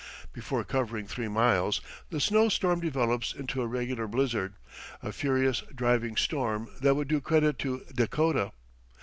Before covering three miles, the snow storm develops into a regular blizzard; a furious, driving storm that would do credit to Dakota.